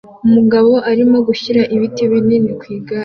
Umugabo arimo gushyira ibiti binini ku igare